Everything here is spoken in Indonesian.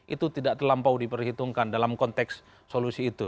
itu tidak terlampau diperhitungkan dalam konteks solusi itu